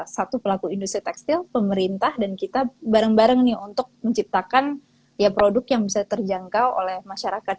satu pelaku industri tekstil pemerintah dan kita bareng bareng nih untuk menciptakan produk yang bisa terjangkau oleh masyarakat